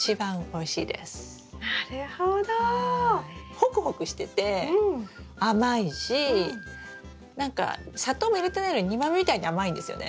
ホクホクしてて甘いし何か砂糖も入れてないのに煮豆みたいに甘いんですよね。